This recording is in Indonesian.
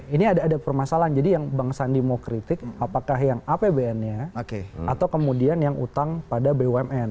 ini ada permasalahan jadi yang bang sandi mau kritik apakah yang apbn nya atau kemudian yang utang pada bumn